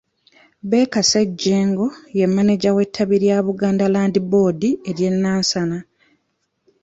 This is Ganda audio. Baker Ssejjengo ye mmaneja w’ettabi lya Buganda Land Board ery’e Nansana.